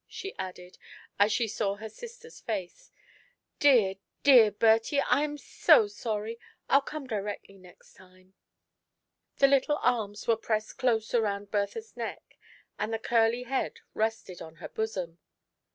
she added, as she saw her sister's face ;" dear, dear Bertie — I am so sorry — I'll come directly next time !" The little arms were pressed close SUNDAY XT 1>0VE'S NEST. 83 around Bertha's neck, and the curly head rested on her bosom.